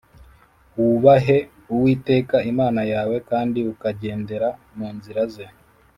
Wubaheuwiteka Imana yawe kandi ukagendera mu nzira ze